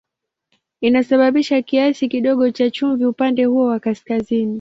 Inasababisha kiasi kidogo cha chumvi upande huo wa kaskazini.